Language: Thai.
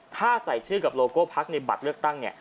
ถ้าใส่ชื่อกับโลโก้พักในบัตรเลือกตั้งเนี่ย